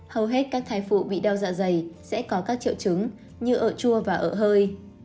hầu hết các thai phụ bị đau dạ dày sẽ có các triệu chứng như ở chua và ở hơi